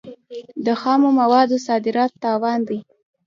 د خامو موادو صادرات تاوان دی.